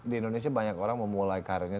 di indonesia banyak orang memulai karirnya